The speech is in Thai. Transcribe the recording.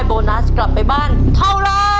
โบนัสกลับไปบ้านเท่าไร